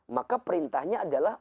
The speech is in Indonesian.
maka perintahnya adalah